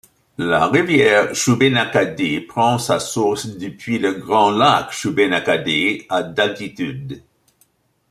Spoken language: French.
La rivière Shubénacadie prend sa source depuis le Grand lac Shubénacadie à d'altitude.